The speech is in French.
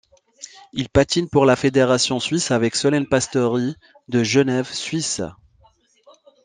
Il patine pour la fédération suisse avec Solène Pásztory, de Genève, Suisse.